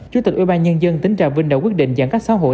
chủ tịch ủy ban nhân dân tỉnh trà vinh đã quyết định giãn các xã hội